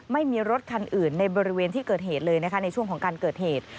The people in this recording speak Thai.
ไม่มีรถคันอื่นในบริเวณที่เกิดเหตุเลยนะคะในช่วงของการเกิดเหตุ